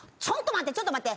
ちょっと待って！